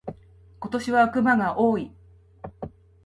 今年は熊が多い。